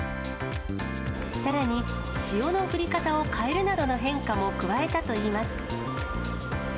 さらに、塩の振り方を変えるなどの変化も加えたといいます。